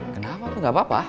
kenapa kok gak apa apa